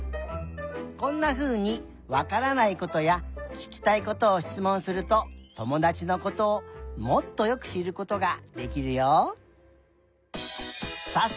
こんなふうにわからないことやききたいことをしつもんするとともだちのことをもっとよくしることができるよ。